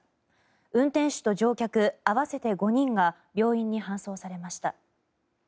運転手と乗客合わせて５人が病院に搬送されました。